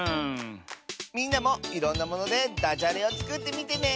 みんなもいろんなものでダジャレをつくってみてね。